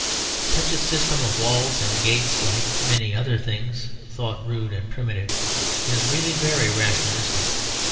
Such a system of walls and gates, like many other things thought rude and primitive, is really very rationalistic.